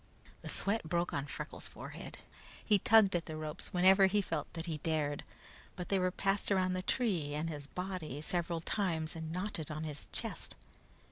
The sweat broke on Freckles' forehead. He tugged at the ropes whenever he felt that he dared, but they were passed around the tree and his body several times, and knotted on his chest.